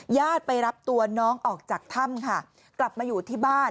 ญาติไปรับตัวน้องออกจากถ้ำค่ะกลับมาอยู่ที่บ้าน